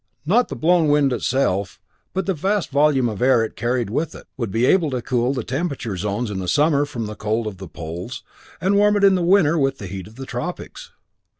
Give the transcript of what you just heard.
Not the blown wind itself, but the vast volume of air it carried with it, would be able to cool the temperate zones in the summer from the cold of the poles, and warm it in winter with the heat of the tropics."